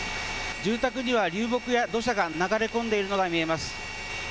住宅には流木や土砂が流れ込んでいるのが見えます。